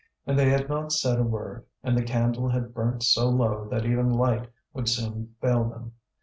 And they had not said a word, and the candle had burnt so low that even light would soon fail them.